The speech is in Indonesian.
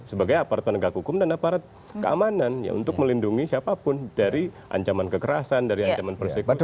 sebagai aparat penegak hukum dan aparat keamanan ya untuk melindungi siapapun dari ancaman kekerasan dari ancaman persekusi